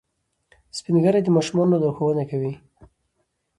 سپین ږیری د ماشومانو لارښوونه کوي